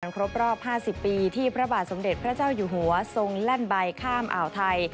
ครบรอบ๕๐ปีที่พระบาทสมเด็จพระเจ้าอยู่หัวทรงแล่นใบข้ามอ่าวไทย